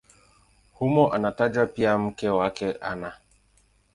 Humo anatajwa pia mke wake Ana.